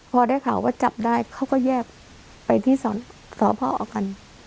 พอได้ข่าวว่าจับได้เขาก็แยกไปที่สพกัน